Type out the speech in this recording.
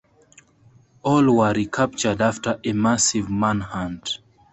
All were recaptured after a massive manhunt.